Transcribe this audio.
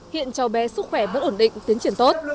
hiện cháu bé sức khỏe vẫn ổn định tiến triển tốt